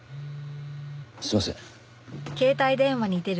すいません。